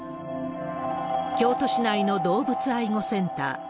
京都市内の動物愛護センター。